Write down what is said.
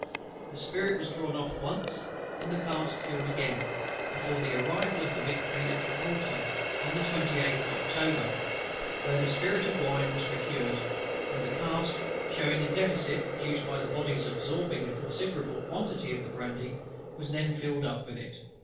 The spirit was drawn off once, and the cask filled again, before the arrival of the Victory at Gibraltar (on the 28th of October): where spirit of wine was procured; and the cask, shewing a deficit produced by the Body's absorbing a considerable quantity of the brandy, was then filled up with it.